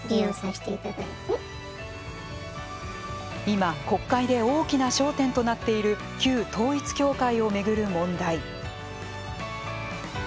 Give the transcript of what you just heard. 今、国会で大きな焦点となっている旧統一教会を巡る問題。